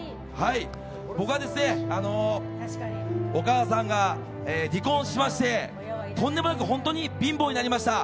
僕は、お母さんが離婚しましてとんでもなく本当に貧乏になりました。